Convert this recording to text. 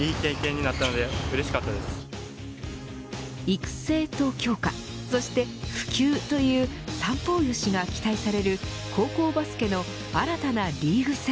育成と教化そして普及という三方良しが期待される高校バスケの新たなリーグ戦。